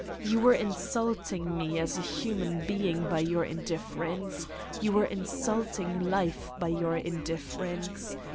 You were insulting me as a human being by your indifference: You were insulting life by your indifference.